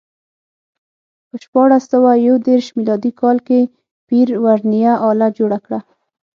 په شپاړس سوه یو دېرش میلادي کال کې پير ورنیه آله جوړه کړه.